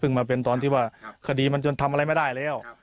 มาเป็นตอนที่ว่าคดีมันจนทำอะไรไม่ได้แล้ว